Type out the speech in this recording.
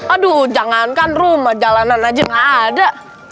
aduh jangankan rumah jalanan aja gak ada